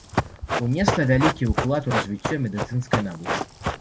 Унесла вялікі ўклад у развіццё медыцынскай навукі.